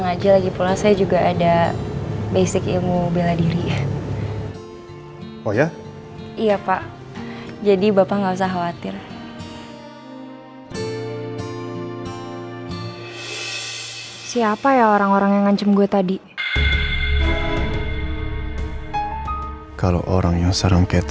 gue lagi nunggu istri gue habis praktek biasalah setiap hari di rumah sakit